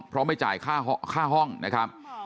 เพราะไม่จ่ายค่าห้องนะครับ